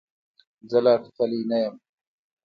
زه لا ټوخلې نه یم.